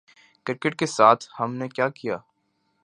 Cricket کے ساتھ ہم نے کیا کیا؟